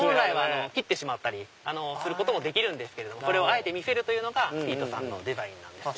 本来は切ることもできるんですけれどもこれをあえて見せるというのがピィトさんのデザインなんです。